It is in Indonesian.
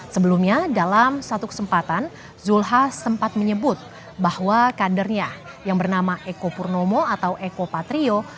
sebelumnya dalam satu kesempatan zulkifli hasan sempat menyebut bahwa kadernya yang bernama eko purnomo atau eko patrio